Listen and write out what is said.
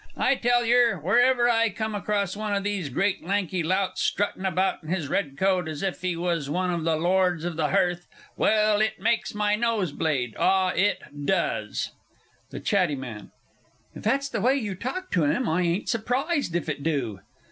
I tell yer, wherever I come across one of these great lanky louts strutting about in his red coat, as if he was one of the lords of the hearth, well it makes my nose bleed, ah it does! THE CHATTY MAN. If that's the way you talk to him, I ain't surprised if it do.